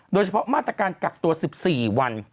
โดยเฉพาะมาตรการกักตัว๑๔วัน